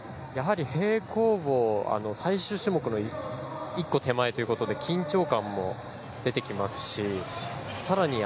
平行棒、最終種目の１個手前ということで緊張感も出てきますし更に